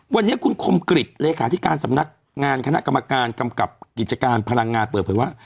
วันนี้คุณคมกริจเลขาธิการสำนักงานคณะกรรมการกำกับกิจการพลังงานเปิดเผยว่า